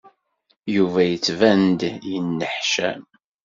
Yuba yettban-d yenneḥcam.